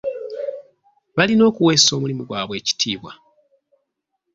Balina okuweesa omulimu gwabwe ekitiibwa.